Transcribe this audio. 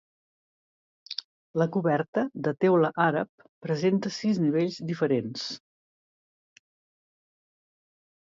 La coberta, de teula àrab, presenta sis nivells diferents.